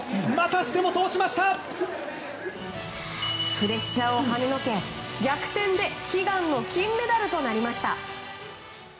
プレッシャーをはねのけ逆転で悲願の金メダルとなりました。